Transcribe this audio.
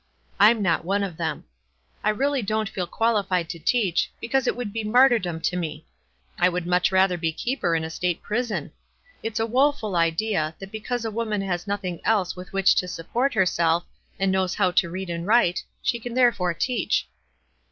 I'm not one of them. I really don't feel qualified to teach, because it" would be martyrdom to me. I would much rather be keeper in a state prison. It's a woeful idea, that because a woman has nothing else with which to support herself, and knows how to read and write, she can therefore teach."